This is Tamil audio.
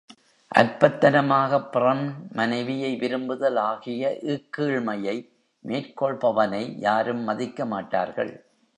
அற்பத்தனமாகப் பிறன் மனைவியை விரும்புதல் ஆகிய இக்கீழ்மையை மேற்கொள்பவனை யாரும் மதிக்கமாட்டார்கள்.